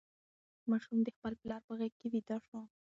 ماشوم د خپل پلار په غېږ کې ویده شو.